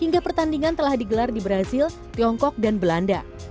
hingga pertandingan telah digelar di brazil tiongkok dan belanda